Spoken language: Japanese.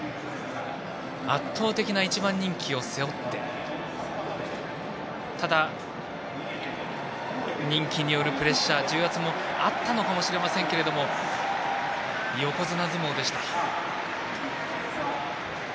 圧倒的な１番人気を背負ってただ、人気によるプレッシャー重圧もあったのかもしれませんけど横綱相撲でした。